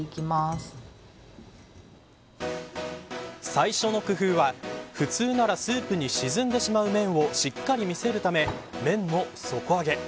最初の工夫は、普通ならスープに沈んでしまう麺をしっかり見せるため麺を底上げ。